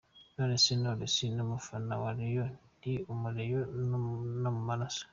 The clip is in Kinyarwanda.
Nonese na Knowless n umufana wa Rayon?? Ndi umurayon no mu maraso.